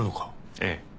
ええ。